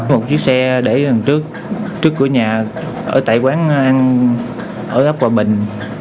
một chiếc xe để ở đằng trước trước cửa nhà ở tại quán ăn ở góc quà bình